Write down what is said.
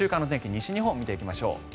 西日本を見ていきましょう。